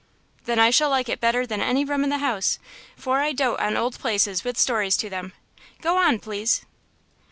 "Then I shall like it better than any room in the house, for I dote on old places with stories to them. Go on, please."